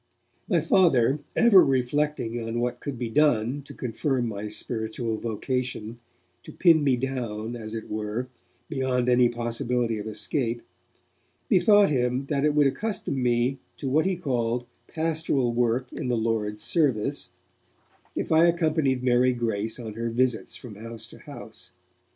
My Father, ever reflecting on what could be done to confirm my spiritual vocation, to pin me down, as it were, beyond any possibility of escape, bethought him that it would accustom me to what he called 'pastoral work in the Lord's service', if I accompanied Mary Grace on her visits from house to house.